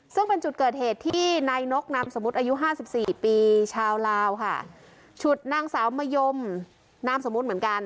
ซึ่งเป็นจุดเกิดเหตุที่นายนกนามสมมุติอายุห้าสิบสี่ปีชาวลาวค่ะฉุดนางสาวมะยมนามสมมุติเหมือนกัน